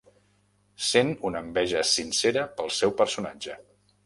Sent una enveja sincera pel seu personatge.